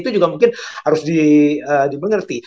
itu juga mungkin harus dimengerti